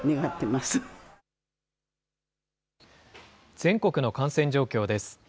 全国の感染状況です。